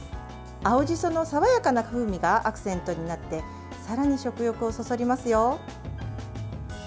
青じその爽やかな風味がアクセントになってさらに食欲をそそりますよ。